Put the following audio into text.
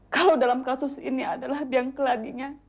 kau dalam kasus ini adalah biangklad